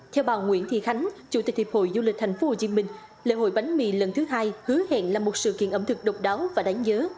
theo bà nguyễn thị khánh chủ tịch hiệp hội du lịch tp hcm lễ hội bánh mì lần thứ hai hứa hẹn là một sự kiện ẩm thực độc đáo và đáng nhớ